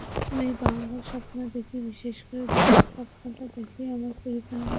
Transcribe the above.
আমি বাংলায় স্বপ্ন দেখি, বিশেষ করে যখন স্বপ্নটা দেখি আমার পরিবার নিয়ে।